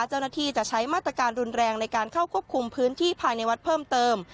เจ้าหน้าที่จะใช้มาตรการรุนแรงในการเข้าควบคุมพื้นที่ภายในวัดเพิ่มเติม